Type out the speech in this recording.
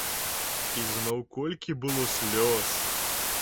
Ізноў колькі было слёз!